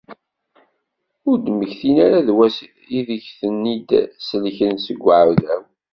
Ur d-mmektin ara d wass ideg ten-id-isellek seg uɛdaw.